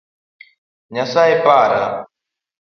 Nyasaye para!